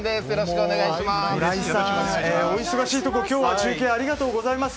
お忙しいところ今日は中継ありがとうございます。